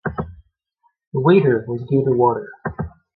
The waiter was Gator Waiter.